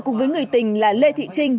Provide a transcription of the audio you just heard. cùng với người tình là lê thị trinh